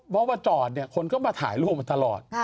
เพราะว่าจอดเนี่ยคนก็มาถ่ายรูปมาตลอด